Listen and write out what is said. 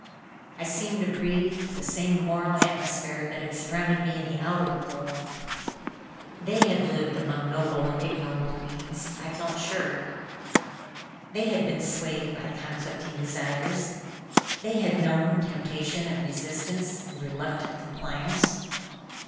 I seemed to breathe the same moral atmosphere that had surrounded me in the outer world. They had lived among noble and ignoble deeds I felt sure. They had been swayed by conflicting desires. They had known temptation and resistance, and reluctant compliance.